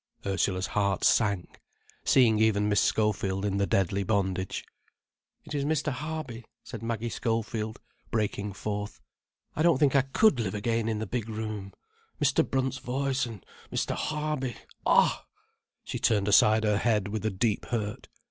_ Ursula's heart sank, seeing even Miss Schofield in the deadly bondage. "It is Mr. Harby," said Maggie Schofield, breaking forth. "I don't think I could live again in the big room—Mr. Brunt's voice and Mr. Harby—ah——" She turned aside her head with a deep hurt.